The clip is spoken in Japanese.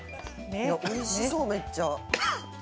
おいしそうめっちゃ。